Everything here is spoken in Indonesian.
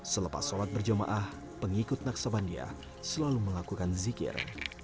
selepas solat berjamaah pengikut naksabandia selalu mengakukan zikir